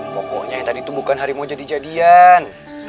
pokoknya yang tadi itu bukan hari mau jadi jadian